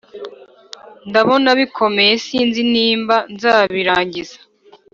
Ndabona bikomeye sinzi nimba nzabirangiza